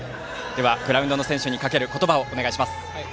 グラウンドの選手にかける言葉をお願いします。